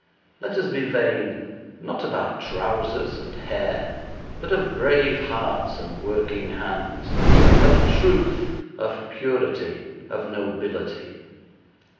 Let us be vain, not of our trousers and hair, but of brave hearts and working hands, of truth, of purity, of nobility.